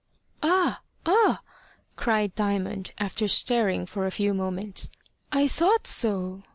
"Ah, ah!" cried Diamond, after staring for a few moments, "I thought so!